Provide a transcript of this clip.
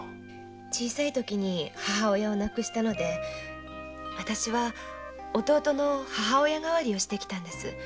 小さいときに母親を亡くしたのでわたしは弟の母親代わりをしてきたんです。